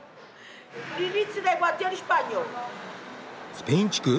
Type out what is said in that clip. スペイン地区？